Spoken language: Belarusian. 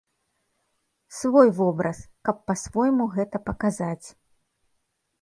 Свой вобраз, каб па-свойму гэта паказаць.